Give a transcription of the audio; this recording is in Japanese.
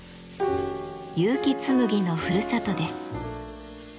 結城紬のふるさとです。